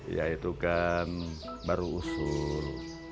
ya itu kan baru usul